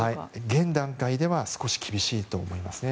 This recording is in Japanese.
現段階では少し厳しいと思いますね。